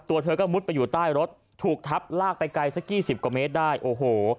ตัวเธอก็มุดไปอยู่ใต้รถถูกทับลากไปไกลสักยี่สิบกว่าเมตรได้โอ้โห